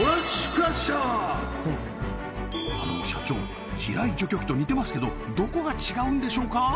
クラッシャーあの社長地雷除去機と似てますけどどこが違うんでしょうか？